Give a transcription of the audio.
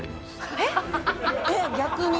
えっ逆に？